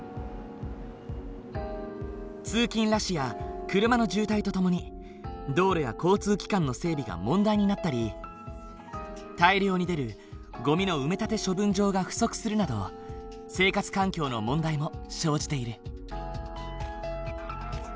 通勤ラッシュや車の渋滞とともに道路や交通機関の整備が問題になったり大量に出るゴミの埋め立て処分場が不足するなど生活環境の問題も生じている。